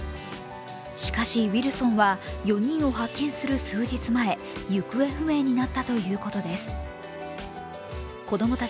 しかしウィルソンは４人を発見する数日前行方不明になったということです。